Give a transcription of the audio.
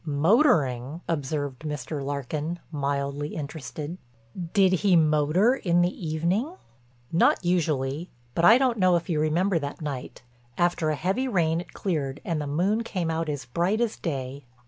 "Motoring," observed Mr. Larkin, mildly interested, "did he motor in the evening?" "Not usually—but I don't know if you remember that night. After a heavy rain it cleared and the moon came out as bright as day."